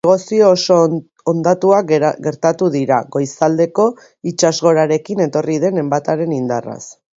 Bospasei negozio oso hondatuak gertatu dira, goizaldeko itsasgorarekin etorri den enbataren indarraz.